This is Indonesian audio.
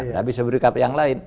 nggak bisa berikap yang lain